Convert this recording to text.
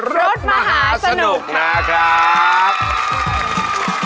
รถมหาสนุกนะครับ